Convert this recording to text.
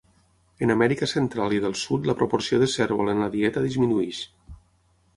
En Amèrica Central i del Sud la proporció de cérvol en la dieta disminueix.